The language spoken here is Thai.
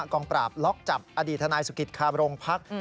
กองปราบล็อคจับอดีตนายสุขครามรงพัก